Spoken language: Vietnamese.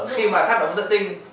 khi mà thắt ống dựa tinh